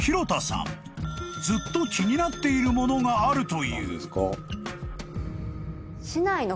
［ずっと気になっているものがあるという］